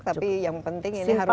tapi yang penting ini harus